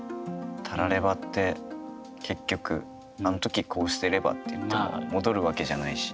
たらればって結局あのときこうしてればって言っても戻るわけじゃないし。